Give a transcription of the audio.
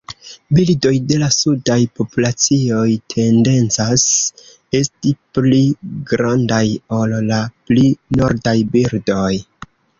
Birdoj de la sudaj populacioj tendencas esti pli grandaj ol la pli nordaj birdoj.